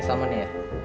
ini salmonnya ya